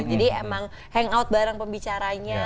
jadi emang hangout bareng pembicaranya